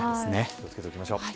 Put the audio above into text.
気を付けていきましょう。